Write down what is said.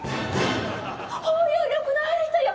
包容力のある人よ！